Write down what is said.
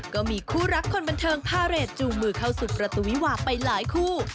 ก็มีคู่รักคนบันเทิงพาเรทจูงมือเข้าสู่ประตูวิวาไปหลายคู่